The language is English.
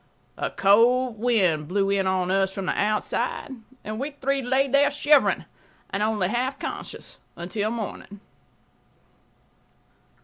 A cold wind blew in on us from the outside, and we three lay there shivering and only half conscious until morning.